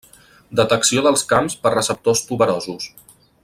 Detecció dels camps per receptors tuberosos.